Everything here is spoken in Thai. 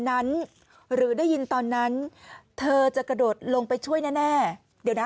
นั้นหรือได้ยินตอนนั้นเธอจะกระโดดลงไปช่วยแน่แน่เดี๋ยวนะ